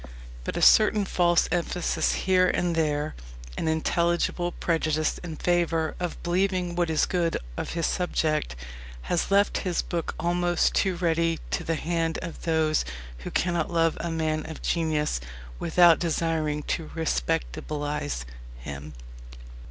But a certain false emphasis here and there, an intelligible prejudice in favour of believing what is good of his subject, has left his book almost too ready to the hand of those who cannot love a man of genius without desiring to "respectabilize" him.